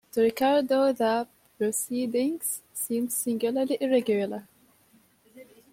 To Ricardo the proceedings seemed singularly irregular.